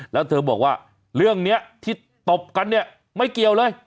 แล้วเธอบอกว่าเรื่องนี้ที่ตบกันเนี่ยไม่เกี่ยวเลย